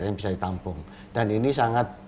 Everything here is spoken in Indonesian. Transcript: yang bisa ditampung dan ini sangat